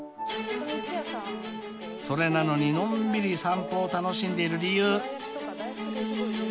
［それなのにのんびり散歩を楽しんでいる理由］